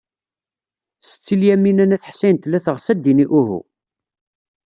Setti Lyamina n At Ḥsayen tella teɣs ad d-tini uhu.